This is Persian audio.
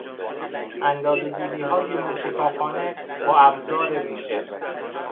اندازه گیریهای مو شکافانه با ابزار ویژه